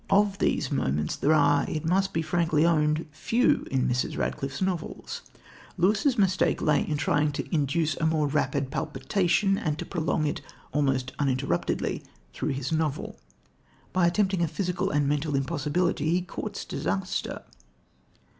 Of these moments, there are, it must be frankly owned, few in Mrs. Radcliffe's novels. Lewis's mistake lay in trying to induce a more rapid palpitation, and to prolong it almost uninterruptedly throughout his novel. By attempting a physical and mental impossibility he courts disaster.